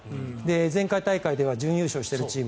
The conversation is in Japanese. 前回大会では準優勝しているチーム。